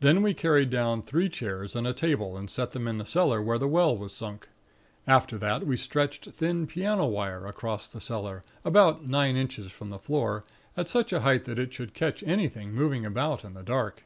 Then we carried down three chairs and a table, and set them in the cellar where the well was sunk. After that, we stretched thin piano wire across the cellar, about nine inches from the floor, at such a height that it should catch anything moving about in the dark.